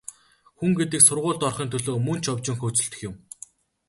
Хүн гэдэг сургуульд орохын төлөө мөн ч овжин хөөцөлдөх юм.